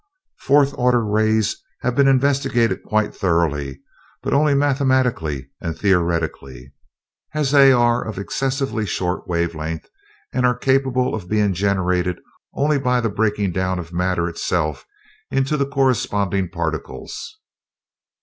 Fourth order rays have been investigated quite thoroughly, but only mathematically and theoretically, as they are of excessively short wave length and are capable of being generated only by the breaking down of matter itself into the corresponding particles.